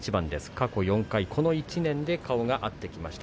過去４回この１年で顔が合ってきました。